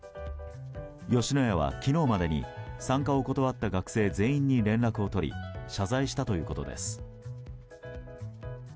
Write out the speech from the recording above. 吉野家は昨日までに参加を断った学生全員に連絡を取り謝罪したということです。